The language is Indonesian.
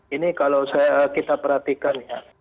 ini kalau kita perhatikan ya